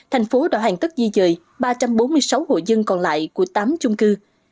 thành phố đã hoàn tất di dời ba trăm bốn mươi sáu hộ dân còn lại của tám chung cư